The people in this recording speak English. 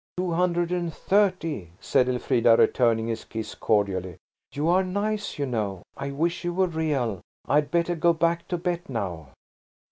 "Two hundred and thirty," said Elfrida, returning his kiss cordially. "You are nice, you know. I wish you were real. I'd better go back to Bet now."